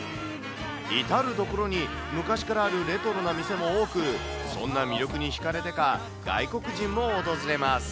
至る所に、昔からあるレトロな店も多く、そんな魅力に引かれてか、外国人も訪れます。